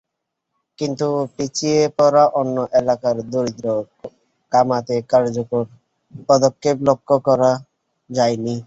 কিন্তু পিছিয়ে পড়া অন্য এলাকার দারিদ্র্য কমাতে কার্যকর পদক্ষেপ লক্ষ করা যায়নি।